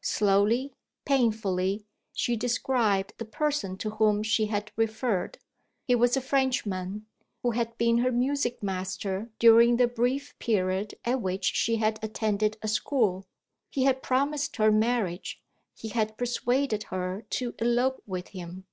Slowly, painfully she described the person to whom she had referred. He was a Frenchman, who had been her music master during the brief period at which she had attended a school: he had promised her marriage; he had persuaded her to elope with him.